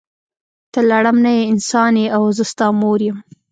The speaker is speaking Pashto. ته لړم نه یی انسان یی او زه ستا مور یم.